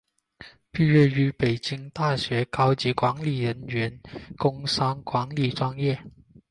毕业于北京大学高级管理人员工商管理专业。